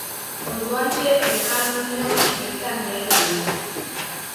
Orduantxe erreparatu nion benetan lehen aldiz.